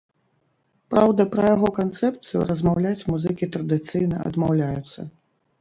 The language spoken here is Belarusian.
Праўда, пра яго канцэпцыю размаўляць музыкі традыцыйна адмаўляюцца.